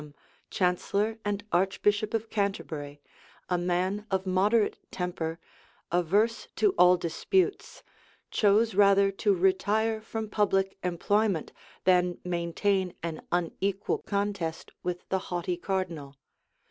Warham, chancellor and archbishop of Canterbury, a man of a moderate temper, averse to all disputes, chose rather to retire from public employment, than maintain an unequal contest with the haughty cardinal.